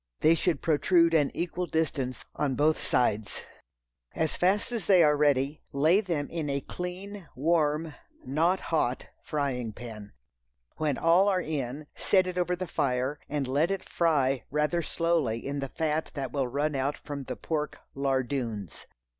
They should protrude an equal distance on both sides. As fast as they are ready, lay them in a clean, warm (not hot) frying pan. When all are in, set it over the fire, and let it fry rather slowly in the fat that will run out from the pork "lardoons."